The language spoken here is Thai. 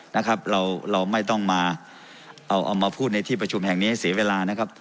นะครับเราเราไม่ต้องมาเอาเอามาพูดในที่ประชุมแห่งนี้ให้เสียเวลานะครับ